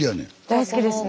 大好きですね。